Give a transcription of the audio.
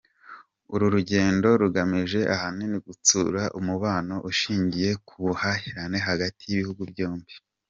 Uru rugendo rugamije ahanini gutsura umubano ushingiye ku buhahirane hagati y’ibihugu byombi.